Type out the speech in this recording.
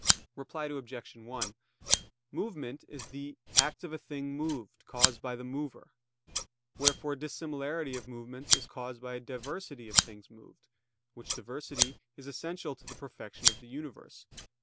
Reply Obj. 1: Movement is "the act of a thing moved, caused by the mover." Wherefore dissimilarity of movements is caused by diversity of things moved, which diversity is essential to the perfection of the universe (Q.